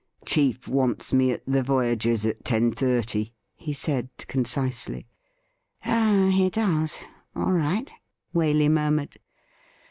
' Chief wants me at the Voyagers' at ten thirty,' he said concisely. ' Oh, he does ; all right,' Waley murmured.